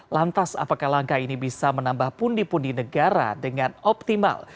lantas apakah langkah ini bisa menambah pundi pundi negara dengan optimal